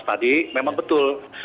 tadi memang betul